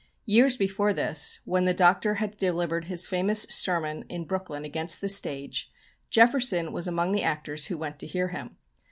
Years before this, when the Doctor had delivered his famous sermon in Brooklyn against the stage, Jefferson was among the actors who went to hear him.